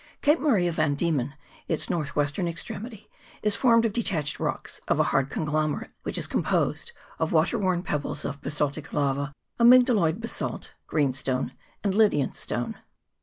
Cape Maria van Diemen, its north western extremity, is formed of detached rocks of a hard conglomerate, which is composed of water worn pebbles of basaltic lava, amygdaloidal basalt, greenstone, and Lydian stone.